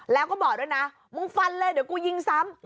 แล้วก็บอกด้วยนะมึงฟันเลยเดี๋ยวกูยิงซ้ำ